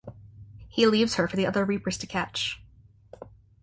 He leaves her for the other reapers to catch.